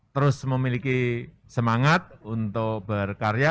terus memiliki semangat untuk berkarya